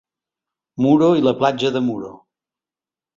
Muro i la Platja de Muro.